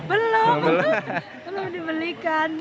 belum belum dibelikan